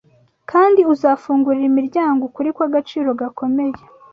kandi uzafungurira imiryango ukuri kw’agaciro gakomeye